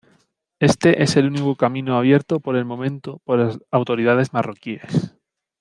Este es el único camino abierto por el momento por las autoridades marroquíes.